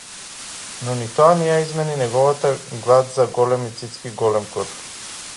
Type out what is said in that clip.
Но ни тоа не ја измени неговата глад за големи цицки и голем кур.